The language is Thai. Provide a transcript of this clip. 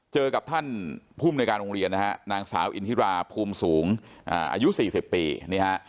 เจอกับท่านภูมิในการโรงเรียนนางสาวอินธิราภูมิสูงอายุ๔๐ปี